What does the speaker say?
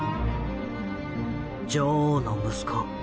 女王の息子